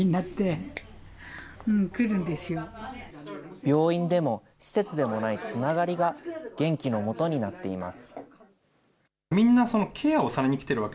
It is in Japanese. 病院でも施設でもないつながりが、元気の元になっています。